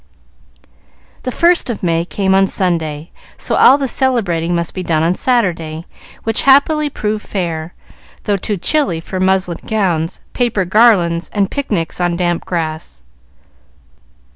The first of May came on Sunday, so all the celebrating must be done on Saturday, which happily proved fair, though too chilly for muslin gowns, paper garlands, and picnics on damp grass.